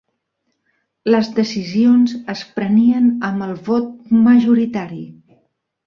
Les decisions es prenien amb el vot majoritari.